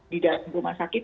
di dalam rumah sakit